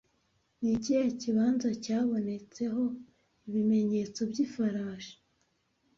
Ni ikihe kibanza cyabonetseho ibimenyetso by'ifarashi